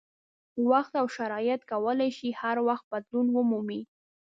وخت او شرایط کولای شي هر وخت بدلون ومومي.